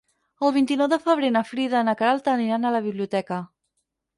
El vint-i-nou de febrer na Frida i na Queralt aniran a la biblioteca.